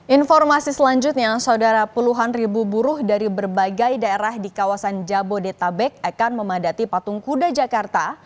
informasi selanjutnya saudara puluhan ribu buruh dari berbagai daerah di kawasan jabodetabek akan memadati patung kuda jakarta